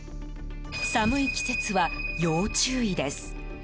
寒い季節は要注意です。